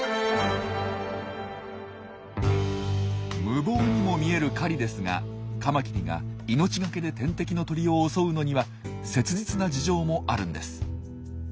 無謀にも見える狩りですがカマキリが命懸けで天敵の鳥を襲うのには切実な事情もあるんです。